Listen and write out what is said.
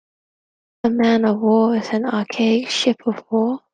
A Man o’ War is an archaic ship of war.